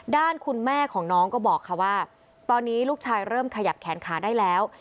ด้านคุณแม่ของน้องก็บอกค่ะว่าตอนนี้ลูกชายเริ่มขยับแขนขาได้แล้ว